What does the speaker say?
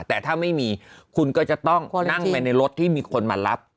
แต่ถ้าไม่มีคุณก็จะต้องนั่งไปในรถที่มีคนมารับ